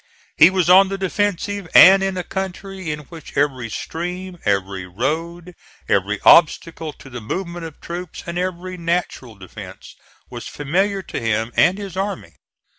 He was on the defensive, and in a country in which every stream, every road, every obstacle to the movement of troops and every natural defence was familiar to him and his army.